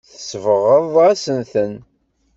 Tsebɣeḍ-asen-ten.